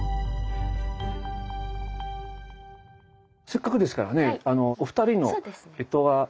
せっかくですからねお二人の干支はえっと？